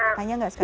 tidak ada masker